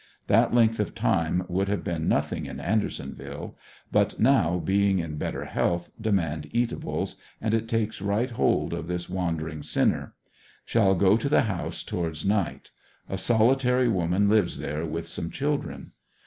That length of time would have been nothing in Andersonville, but now being in better health demand eatables, and it takes right hold of this wan dering sinner. Shall go to the house towards night. A solitary woman lives there with some children.